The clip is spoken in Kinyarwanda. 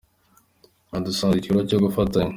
budasanzwe igikorwa cyo gufatanya.